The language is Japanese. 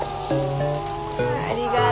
ありがとう。